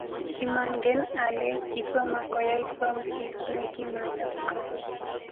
Kimangen ale kitoma koyai Tom kit ne kimagat koyai